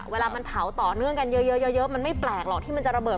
เวลามันเผาต่อเนื่องกันเยอะมันไม่แปลกหรอกที่มันจะระเบิด